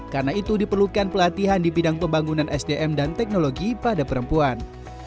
karena itu diperlukan pelatihan di bidang pembangunan sdm dan teknologi pada perempuan